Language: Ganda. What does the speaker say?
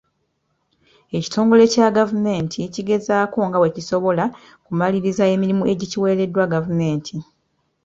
Ekitongole kya gavumenti kigezaako nga bwe kisobola kumaliriza emirimu egikiweereddwa gavumenti.